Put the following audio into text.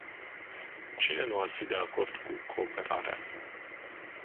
Cine nu ar fi de acord cu cooperarea?